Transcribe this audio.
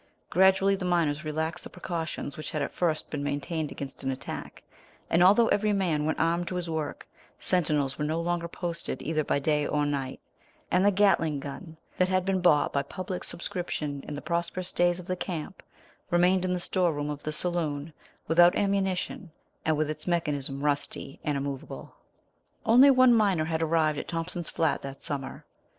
Gradually the miners relaxed the precautions which had at first been maintained against an attack, and although every man went armed to his work, sentinels were no longer posted either by day or night, and the Gatling gun that had been bought by public subscription in the prosperous days of the camp remained in the storeroom of the saloon without ammunition, and with its mechanism rusty and immovable. Only one miner had arrived at Thompson's Flat that summer.